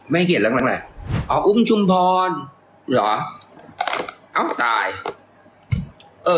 ไม่เขียนแล้วอ๋ออุ้มชุมพรหรออ้าวตายเออ